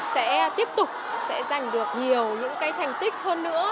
sẽ tiếp tục sẽ giành được nhiều những thành tích hơn nữa